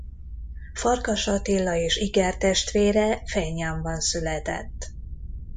Farkas Attila és ikertestvére Phenjanban született.